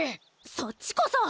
そっちこそ！